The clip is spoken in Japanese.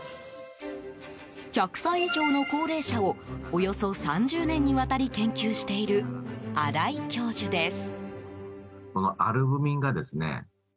１００歳以上の高齢者をおよそ３０年にわたり研究している新井教授です。